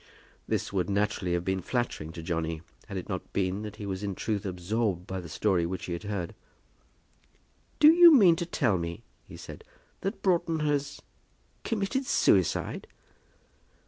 This would naturally have been flattering to Johnny had it not been that he was in truth absorbed by the story which he had heard. "Do you mean to tell me," he said, "that Broughton has committed suicide?"